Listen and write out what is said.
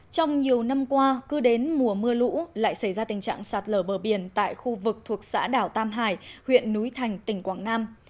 trong nhiều năm qua cứ đến mùa mưa lũ lại xảy ra tình trạng sạt lở bờ biển tại khu vực thuộc xã đảo tam hải huyện núi thành tỉnh quảng nam